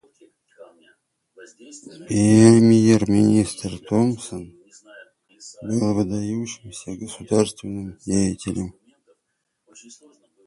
Премьер-министр Томпсон был выдающимся государственным деятелем.